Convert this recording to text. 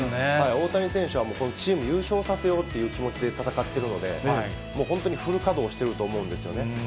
大谷選手は、チームを優勝させようという気持ちで戦ってるので、もう本当にフル稼働してると思うんですよね。